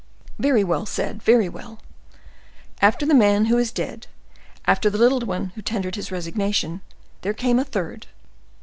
"Very well said—very well! After the great man who is dead, after the little one who tendered his resignation, there came a third.